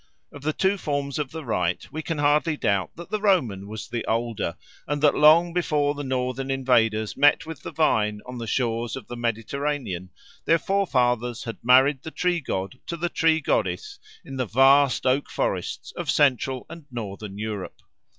Of the two forms of the rite we can hardly doubt that the Roman was the older, and that long before the northern invaders met with the vine on the shores of the Mediterranean their forefathers had married the tree god to the tree goddess in the vast oak forests of Central and Northern Europe.